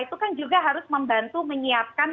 itu kan juga harus membantu menyiapkan